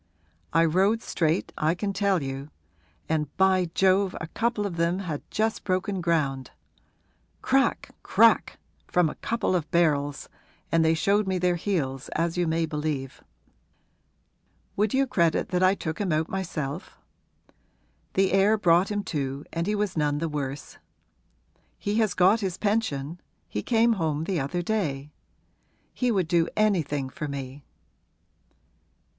I rode straight, I can tell you; and, by Jove, a couple of them had just broken ground! Crack crack, from a couple of barrels, and they showed me their heels, as you may believe. Would you credit that I took him out myself? The air brought him to and he was none the worse. He has got his pension he came home the other day; he would do anything for me.'